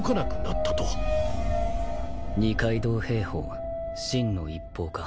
二階堂平法「心の一方」か。